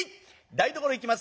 台所へ行きます